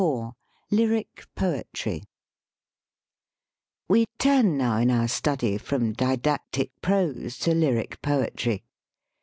IV LYRIC POETRY WE turn now in our study, from didactic prose to lyric poetry.